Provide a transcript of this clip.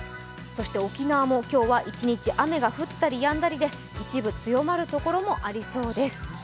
そして沖縄も１日雨が降ったりやんだりで一部、強まる所もありそうです。